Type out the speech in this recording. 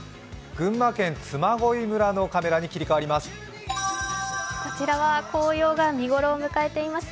群馬県嬬恋村のカメラに切り替わります。